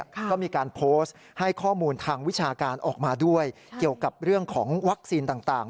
ก็มีการโพสต์ให้ข้อมูลทางวิชาการออกมาด้วยเกี่ยวกับเรื่องของวัคซีนต่าง